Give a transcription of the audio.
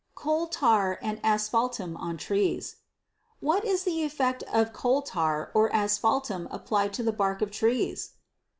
Coal Tar and Asphaltum on Trees. What is the effect of coal tar or asphaltum applied to the bark of trees?